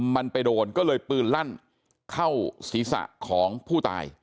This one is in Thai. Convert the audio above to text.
มันไปโดนก็เลยปืนลั่นเข้าศีรษะของผู้ตาย